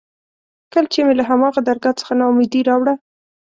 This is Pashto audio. کله چې مې له هماغه درګاه څخه نا اميدي راوړه.